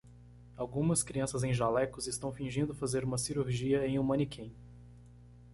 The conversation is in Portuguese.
Algumas crianças em jalecos estão fingindo fazer uma cirurgia em um manequim.